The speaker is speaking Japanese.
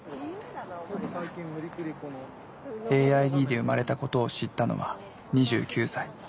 ＡＩＤで生まれたことを知ったのは２９歳。